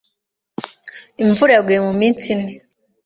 Imvura yaguye iminsi ine.